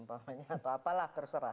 atau apalah terserah